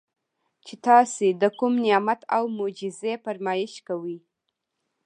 چې تاسي د کوم نعمت او معجزې فرمائش کوئ